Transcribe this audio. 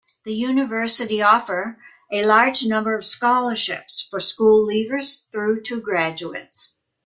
The University offer a large number of scholarships, for school leavers through to graduates.